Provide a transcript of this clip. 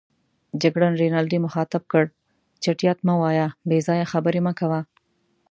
جګړن رینالډي مخاطب کړ: چټیات مه وایه، بې ځایه خبرې مه کوه.